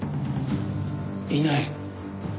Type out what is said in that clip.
いない？